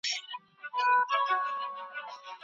که طالبان تاريخي اثار ونه ساتي، زيان به رسيږي.